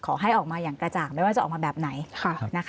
ขอให้ออกมาอย่างกระจ่างไม่ว่าจะออกมาแบบไหนนะคะ